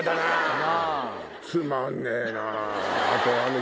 つまんねえな。